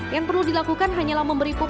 yang perlu dilakukan hanyalah memberi fokus